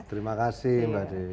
terima kasih mbak dewi